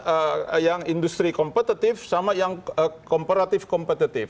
tidak mungkin terjadi yang industri kompetitif sama yang kompetitif competitif